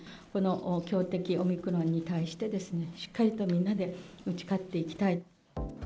この強敵、オミクロンに対して、しっかりとみんなで打ち勝っていきたい。